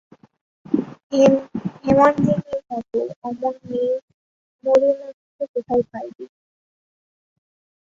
হেমনলিনীর মতো অমন মেয়ে নলিনাক্ষ কোথায় পাইবে?